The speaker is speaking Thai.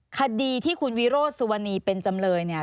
คดีที่คุณวิโรธสุวรรณีเป็นจำเลยเนี่ย